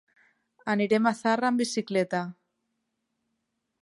Anirem a Zarra amb bicicleta.